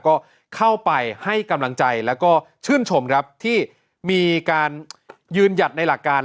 ก็เข้าไปให้กำลังใจแล้วก็ชื่นชมครับที่มีการยืนหยัดในหลักการ